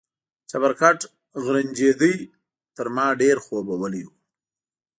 چپرکټ غرنجېده، تر ما ډېر خوبولی و.